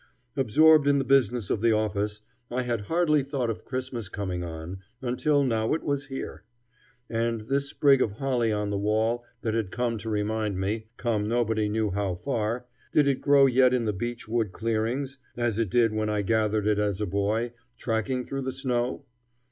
Absorbed in the business of the office, I had hardly thought of Christmas coming on, until now it was here. And this sprig of holly on the wall that had come to remind me, come nobody knew how far, did it grow yet in the beech wood clearings, as it did when I gathered it as a boy, tracking through the snow?